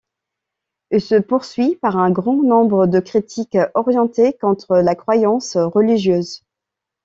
Il se poursuit par un grand nombre de critiques orientées contre la croyance religieuse.